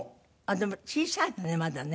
でも小さいのねまだね。